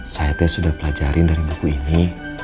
saya sudah pelajarin dari buku ini